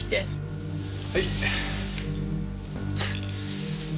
はい。